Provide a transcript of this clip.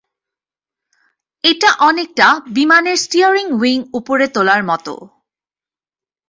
এটা অনেকটা বিমানের স্টিয়ারিং উইং উপরে তোলার মতো।